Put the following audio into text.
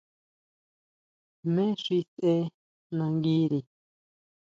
¿Jmé xi sʼee nanguiri?